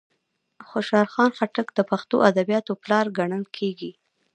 خوشال خټک د پښتو ادبیاتوپلار کڼل کیږي.